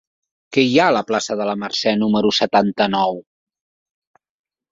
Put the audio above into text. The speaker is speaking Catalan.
Què hi ha a la plaça de la Mercè número setanta-nou?